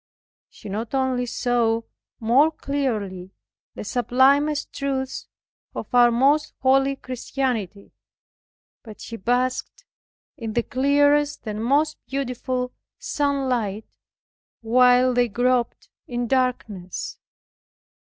She not only saw more clearly the sublimest truths of our most holy Christianity, but she basked in the clearest and most beautiful sunlight while they groped in darkness.